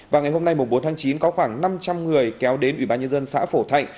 và ngày hôm nay bốn tháng chín có khoảng năm trăm linh người kéo đến ủy ban nhân dân xã phổ thạnh